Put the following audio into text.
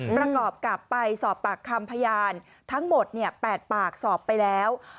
ประกอบกับไปสอบปากคำพยานทั้งหมด๘ปากสอบไปแล้ว